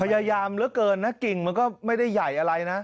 พยายามเหลือเกินนะกิ่งมันก็ไม่ได้ใหญ่อะไรนะ